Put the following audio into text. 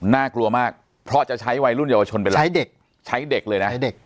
น่ากลัวมากเพราะจะใช้วัยรุ่นเยาวชนเป็นหลักใช้เด็กใช้เด็กเลยนะใช้เด็ก